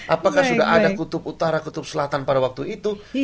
apakah sudah ada kutub utara kutub selatan pada waktu itu